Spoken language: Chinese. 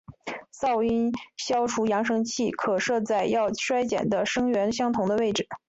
噪音消除扬声器可设在要衰减的声源相同的位置。